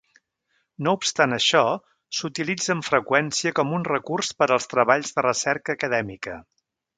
No obstant això, s'utilitza amb freqüència com un recurs per als treballs de recerca acadèmica.